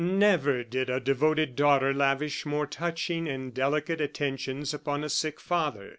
Never did a devoted daughter lavish more touching and delicate attentions upon a sick father.